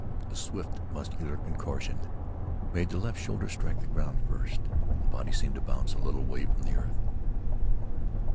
A swift muscular contortion made the left shoulder strike the ground first. The body seemed to bounce a little way from the earth.